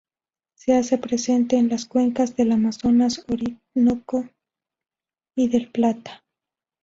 Se hace presente en las cuencas del Amazonas, Orinoco, y del Plata.